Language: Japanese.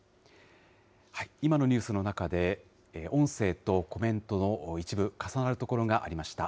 今のニュースの中で、音声とコメントの一部、重なるところがありました。